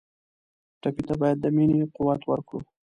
ټپي ته باید د مینې قوت ورکړو.